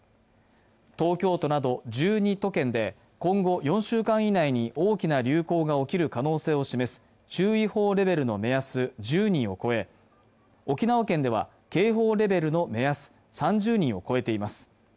東京都など、１２都県で今後４週間以内に大きな流行が起きる可能性を示す注意報レベルの目安１０人を超え、沖縄県では警報レベルの目安、３０人を超えています。